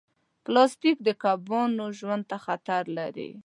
پلاستيک د کبانو ژوند ته خطر لري.